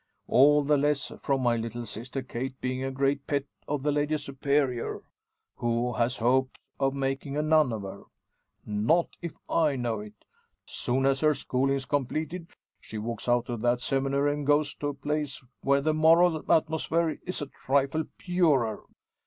All the less, from my little sister Kate being a great pet of the Lady Superior, who has hopes of making a nun of her! Not if I know it! Soon as her schooling's completed she walks out of that seminary, and goes to a place where the moral atmosphere is a trifle purer.